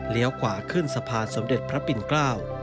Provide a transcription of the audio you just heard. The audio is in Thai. เลี้ยวกว่าขึ้นสะพานสมเด็จพระปิณกล้าว